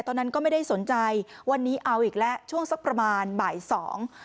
ตอนนั้นก็ไม่ได้สนใจวันนี้เอาอีกแล้วช่วงสักประมาณบ่ายสอง